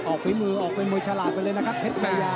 ออกฝีมือออกไปมวยฉลาดไปเลยนะครับเผ็ดชัยา